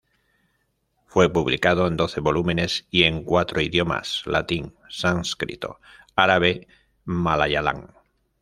Fue publicado en doce volúmenes, y en cuatro idiomas: latín, sánscrito, árabe, malayalam.